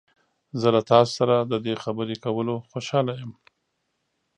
زه له تاسو سره د دې خبرې کولو خوشحاله یم.